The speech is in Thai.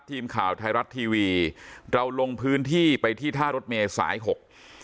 ทีมข่าวไทยรัฐทีวีเราลงพื้นที่ไปที่ท่ารถเมย์สายหก